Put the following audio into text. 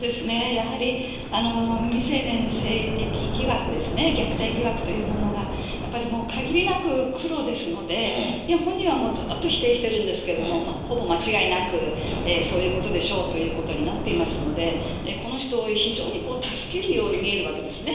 やはり未成年の性的疑惑ですね、虐待疑惑というものが、やっぱりもう限りなく黒ですので、本人はもうずっと否定してるんですけども、ほぼ間違いなく、そういうことでしょうということになっていますので、この人を、非常に助けるように見えるわけですね。